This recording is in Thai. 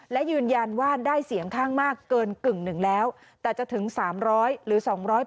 และยืนยันว่าได้เสียงข้างมากเกินกึ่งหนึ่งแล้วแต่จะถึง๓๐๐หรือ๒๐๐